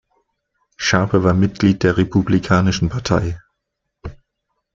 Sharpe war Mitglied der Republikanischen Partei.